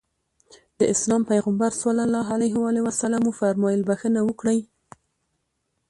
د اسلام پيغمبر ص وفرمايل بښنه وکړئ.